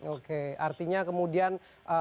oke artinya kemudian